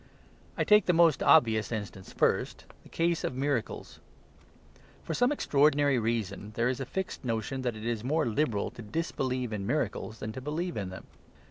I take the most obvious instance first, the case of miracles. For some extraordinary reason, there is a fixed notion that it is more liberal to disbelieve in miracles than to believe in them.